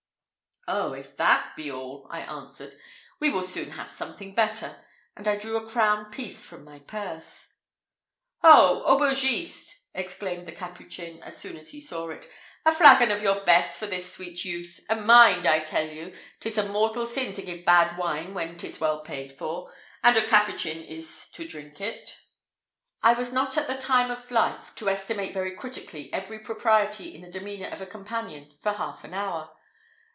"Oh, if that be all," I answered, "we will soon have something better;" and I drew a crown piece from my purse. "Ho! aubergiste!" exclaimed the Capuchin, as soon as he saw it; "a flagon of your best for this sweet youth; and mind, I tell you, 'tis a mortal sin to give bad wine when 'tis well paid for, and a Capuchin is to drink it." I was not at the time of life to estimate very critically every propriety in the demeanour of a companion for half an hour.